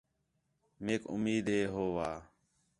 میک اُمید ہے ہو وا